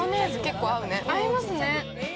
合いますね。